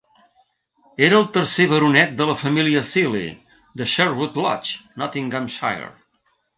Era el tercer baronet de la família Seely, de Sherwood Lodge, Nottinghamshire.